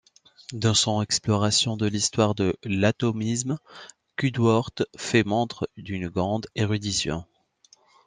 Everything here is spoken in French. Dans son exploration de l’histoire de l’atomisme, Cudworth fait montre d’une grande érudition.